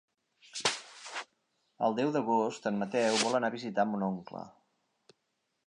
El deu d'agost en Mateu vol anar a visitar mon oncle.